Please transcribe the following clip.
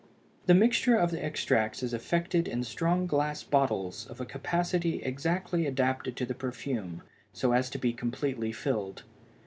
The mixture of the extracts is effected in strong glass bottles of a capacity exactly adapted to the perfume, so as to be completely filled.